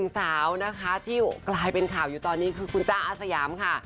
สาวนะคะที่กลายเป็นข่าวอยู่ตอนนี้คือคุณจ้าอาสยามค่ะ